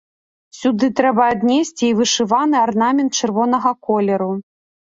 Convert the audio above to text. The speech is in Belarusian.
Сюды трэба аднесці і вышываны арнамент чырвонага колеру.